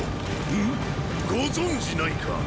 ん⁉ご存じないか。